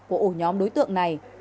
của ổ nhóm đối tượng này